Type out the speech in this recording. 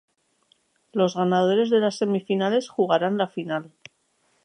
Los ganadores de las semifinales jugarán la final.